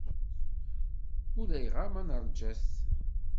Ulayɣer ma neṛja-t.